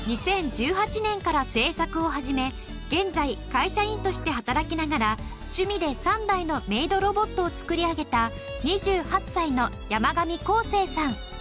２０１８年から制作を始め現在会社員として働きながら趣味で３台のメイドロボットをつくり上げた２８歳の山上紘世さん。